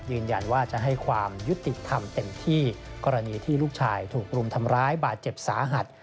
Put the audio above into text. ยืนยันว่าจะให้ความยุติธรรมเต็มที่กรณีที่ลูกชายถูกรุมทำร้ายบาดเจ็บสาหัส